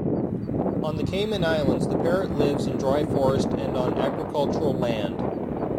On the Cayman Islands the parrot lives in dry forest and on agricultural land.